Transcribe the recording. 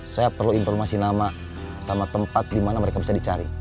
saya perlu informasi nama sama tempat di mana mereka bisa dicari